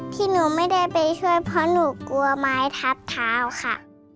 ที่หนูไม่ได้ไปช่วยเพราะหนูกลัวไม้ทับเท้าค่ะ